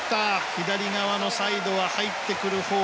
左側のサイドは入ってくるほう。